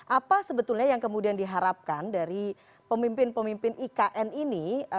apa sebetulnya yang kemudian diharapkan dari pemimpin pemimpin ikn ini